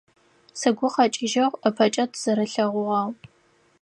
Сыгу къэкӏыжьыгъ, ыпэкӏэ тызэрэлъэгъугъагъ.